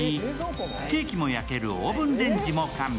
ケーキも焼けるオーブンレンジも完備。